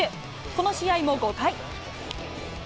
この試合も５回。